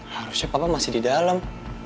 harusnya papa masih di dalam